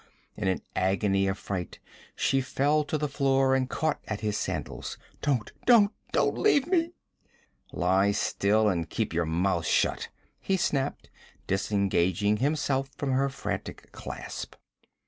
In an agony of fright she fell to the floor and caught at his sandals. 'Don't! Don't! Don't leave me!' 'Lie still and keep your mouth shut!' he snapped, disengaging himself from her frantic clasp.